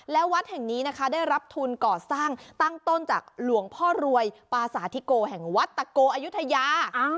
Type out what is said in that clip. และวัดแห่งนี้นะคะได้รับทุนก่อสร้างตั้งต้นจากหลวงพ่อรวยปาสาธิโกแห่งวัดตะโกอายุทยา